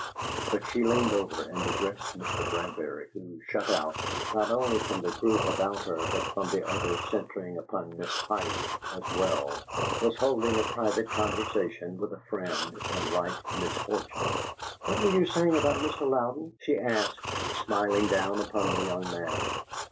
But she leaned over and addressed Mr. Bradbury, who, shut out, not only from the group about her, but from the other centring upon Miss Pike, as well, was holding a private conversation with a friend in like misfortune. "What were you saying of Mr. Louden?" she asked, smiling down upon the young man.